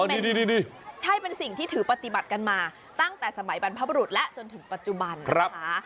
นี่ใช่เป็นสิ่งที่ถือปฏิบัติกันมาตั้งแต่สมัยบรรพบรุษและจนถึงปัจจุบันนะคะ